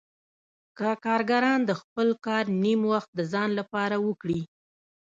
که کارګران د خپل کار نیم وخت د ځان لپاره وکړي